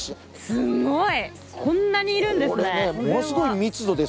すんごい、こんなにいるんですね。